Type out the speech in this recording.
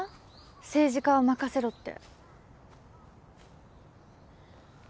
政治家は任せろって。